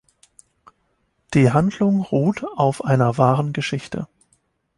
Die Handlung ruht auf einer wahren Geschichte.